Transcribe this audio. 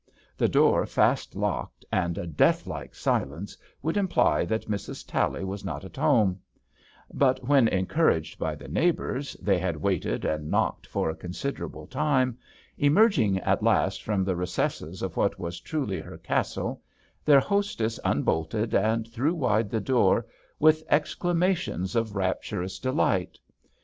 The door fast locked and a death like silence would imply that Mrs. Tally was not at home ; but when, encouraged by the neighbours, they had waited and knocked for a considerable time, emei^ing at last from the recesses of what was truly her castle, their hostess unbolted and threw wide the door with exclamations of rapturous delight.